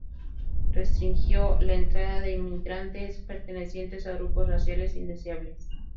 Restringió la entrada de inmigrantes pertenecientes a grupos raciales "indeseables".